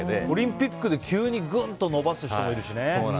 オリンピックで急にグンと伸ばす人もいるしね。